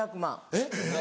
えっ。